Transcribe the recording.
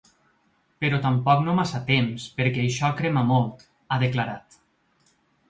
Però tampoc no massa temps, perquè això crema molt, ha declarat.